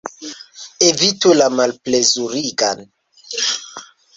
Evitu la malplezurigan!